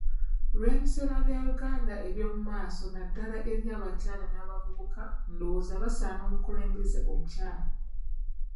Lw'ebiseera bya Uganda eby'omu maaso naddala eri abakyala n'abavubuka ndowooza basaana omukulembeze omukyala.